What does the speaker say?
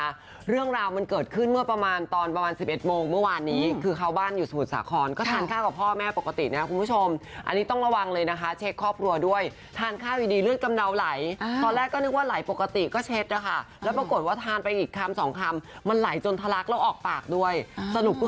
เรื่องราวมันเกิดขึ้นเมื่อประมาณตอนประมาณสิบเอ็ดโมงเมื่อวานนี้คือเขาบ้านอยู่สมุทรสาครก็ทานข้าวกับพ่อแม่ปกตินะคุณผู้ชมอันนี้ต้องระวังเลยนะคะเช็คครอบครัวด้วยทานข้าวอยู่ดีเลือดกำเนาไหลตอนแรกก็นึกว่าไหลปกติก็เช็ดนะคะแล้วปรากฏว่าทานไปอีกคำสองคำมันไหลจนทะลักแล้วออกปากด้วยสรุปก็